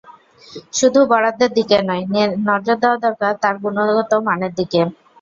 শুধু বরাদ্দের দিকে নয়, নজর দেওয়া দরকার তার গুণগত মানের দিকে।